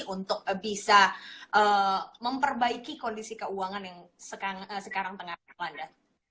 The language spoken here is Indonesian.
untuk bisa memperbaiki kondisi keuangan yang sekarang tengah melanda